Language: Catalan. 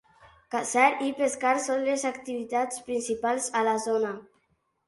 Caçar i pescar són les activitats principals a la zona.